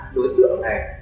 đối tượng này